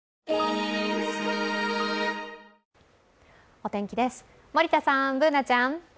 お天気です、森田さんＢｏｏｎａちゃん。